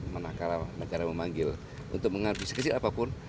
mana negara memanggil untuk menghadapi sekecil apapun